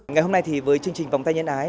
ngày hôm nay thì với chương trình vòng tay nhân ái